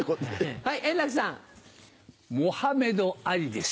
はい。